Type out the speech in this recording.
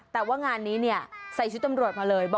แต่ว่างานนี้เนี่ยใส่ชุดตำรวจมาเลย